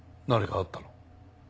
何かあったの？